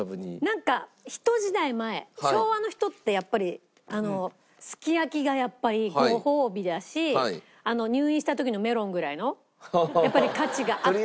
なんかひと時代前昭和の人ってやっぱりすき焼きがやっぱりご褒美だし入院した時のメロンぐらいのやっぱり価値があった。